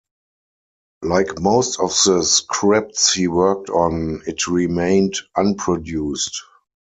Like most of the scripts he worked on, it remained unproduced.